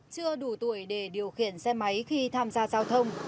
chưa đủ tuổi để điều khiển xe máy khi tham gia giao thông